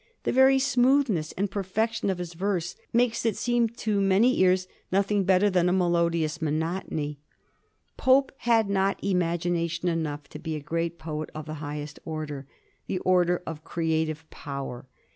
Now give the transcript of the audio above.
The very smooth ness and perfection of his verse make it seem to many ears nothing better than a melodious monotony. Pope had not imagination enough to be a great poet of the highest order — the order of creative power.